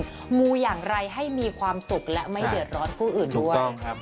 ครับมูอย่างไรให้มีความสุขและไม่เดิดร้อนผู้อื่นด้วยถูกต้องครับ